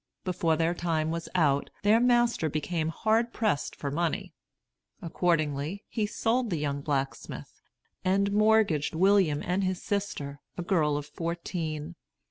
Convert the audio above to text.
Before their time was out, their master became hard pressed for money. Accordingly, he sold the young blacksmith, and mortgaged William and his sister, a girl of fourteen.